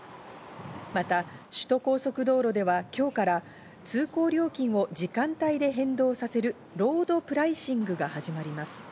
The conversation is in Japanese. また首都高速道路では今日から通行料金を時間帯で変動させるロードプライシングが始まります。